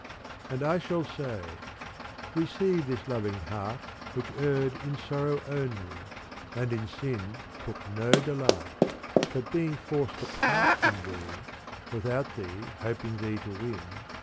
And I shall say, — Receive this loving heart Which erred in sorrow only : and in sin Took no delight : but being forced apart From thee, without thee hoping thee to win.